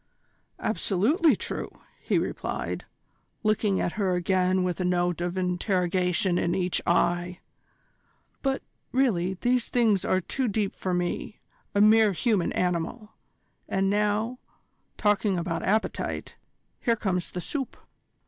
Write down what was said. "Absolutely true!" he replied, looking at her again with a note of interrogation in each eye. "But, really, these things are too deep for me, a mere human animal. And now, talking about appetite, here comes the soup."